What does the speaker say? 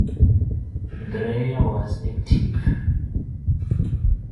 Dreyer was active.